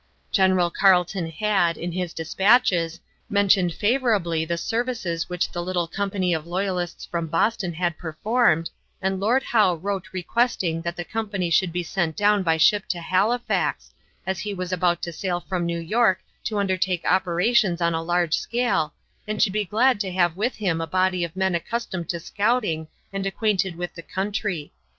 General Carleton had, in his dispatches, mentioned favorably the services which the little company of loyalists from Boston had performed, and Lord Howe wrote requesting that the company should be sent down by ship to Halifax, as he was about to sail from New York to undertake operations on a large scale, and should be glad to have with him a body of men accustomed to scouting and acquainted with the country.